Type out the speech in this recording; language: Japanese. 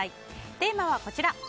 テーマはこちらです。